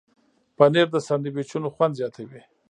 پنېر د ساندویچونو خوند زیاتوي.